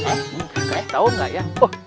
eh tau gak ya